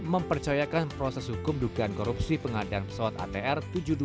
mempercayakan proses hukum dugaan korupsi pengadaan pesawat atr tujuh puluh dua ribu enam ratus